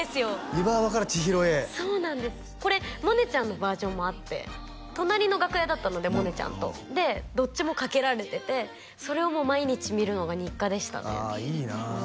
湯婆婆から千尋へそうなんですこれ萌音ちゃんのバージョンもあって隣の楽屋だったので萌音ちゃんとでどっちも掛けられててそれを毎日見るのが日課でしたねああいいなあ